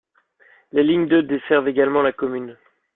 Les lignes de desservent également la commune.